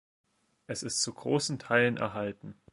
Es ist zu großen Teilen erhalten.